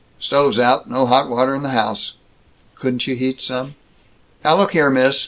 "Stove's out. No hot water in the house." "Couldn't you heat some?" "Now look here, miss.